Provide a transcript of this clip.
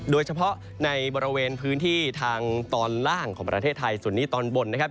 โดยเฉพาะในบริเวณพื้นที่ทางตอนล่างของประเทศไทยส่วนนี้ตอนบนนะครับ